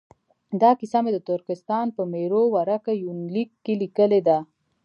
دا کیسه مې د ترکستان په میرو ورکه یونلیک کې لیکلې ده.